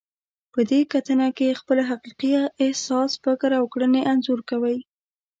په دې کتنه کې خپل حقیقي احساس، فکر او کړنې انځور کوئ.